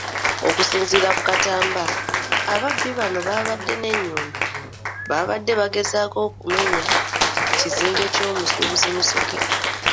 Okusinziira ku Katamba, ababbi bano abaabadde ne nnyondo baabadde bagezaako kumenya kizimbe ky'omusuubuzi Musoke.